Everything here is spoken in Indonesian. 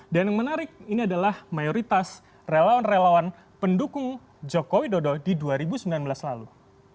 dan yang menarik ini adalah mayoritas relawan relawan pendukung jokowi dodo di dua ribu sembilan belas lalu